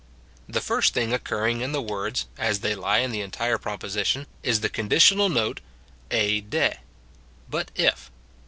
The first thing occurring in the words, as they lie in the entire proposition, is the conditional note, Ei 6s, "But if."